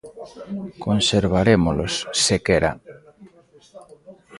Conservarémolos, sequera?